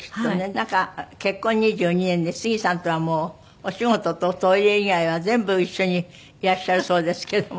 なんか結婚２２年で杉さんとはもうお仕事とおトイレ以外は全部一緒にいらっしゃるそうですけども。